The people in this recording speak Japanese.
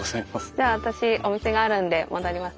じゃあ私お店があるんで戻りますね。